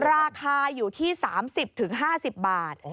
ราคาอยู่ที่๓๐๕๐บาท